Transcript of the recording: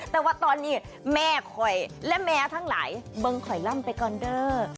แต่ว่าตอนนี้แม่คอยและแมวทั้งหลายเบิ้งคอยล่ำไปก่อนเด้อ